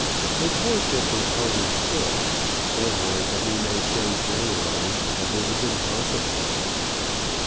A courtship is harder still so hard that we may say generally that it is impossible.